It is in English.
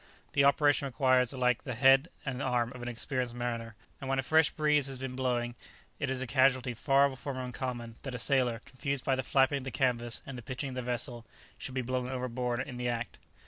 The operation requires alike the head and arm of an experienced mariner; and when a fresh breeze has been blowing, it is a casualty far from uncommon that a sailor, confused by the flapping of the canvas and the pitching of the vessel, should be blown overboard in the act.